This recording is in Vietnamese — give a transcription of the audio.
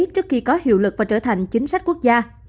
trước khi có hiệu lực và trở thành chính sách quốc gia